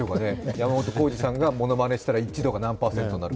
山本耕史さんがものまねしたら一致度が何％になるか。